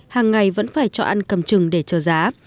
hàng ngày vẫn phải cho ăn cầm chừng để chờ giá